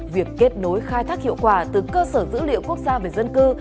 việc kết nối khai thác hiệu quả từ cơ sở dữ liệu quốc gia về dân cư